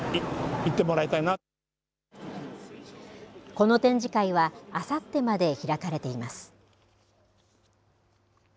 この展示会はあさってまで開かれています。